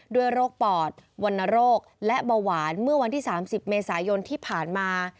โรคปอดวรรณโรคและเบาหวานเมื่อวันที่๓๐เมษายนที่ผ่านมา